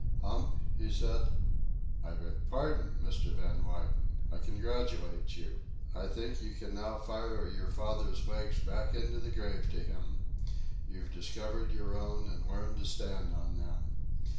"Hump," he said, "I beg pardon, Mr. Van Weyden, I congratulate you. I think you can now fire your father's legs back into the grave to him. You've discovered your own and learned to stand on them.